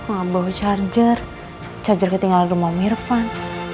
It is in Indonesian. ngabau charger charger ketinggalan rumah mirvan